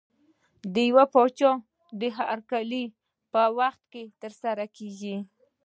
د یو پاچا د هرکلي په وخت کې ترسره کېږي.